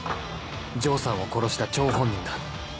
丈さんを殺した張本人だ